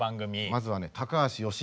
まずはね高橋慶彦。